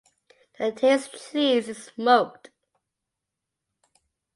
The Taiz cheese is smoked.